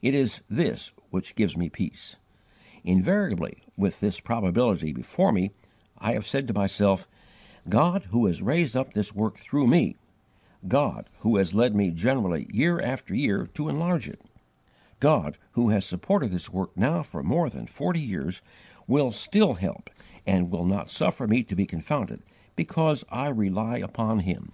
It is this which gives me peace.... Invariably, with this probability before me, I have said to myself: 'God who has raised up this work through me; God who has led me generally year after year to enlarge it; God, who has supported this work now for more than forty years, will still help and will not suffer me to be confounded, because I rely upon Him.